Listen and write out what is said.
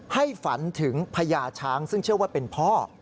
ให้ฝันถึงพญาช้างซึ่งเชื่อว่าเป็นพ่อ